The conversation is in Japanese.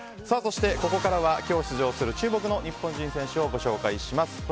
そして、ここからは今日出場する注目の日本人選手をご紹介します。